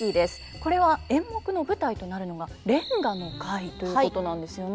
これは演目の舞台となるのが連歌の会ということなんですよね。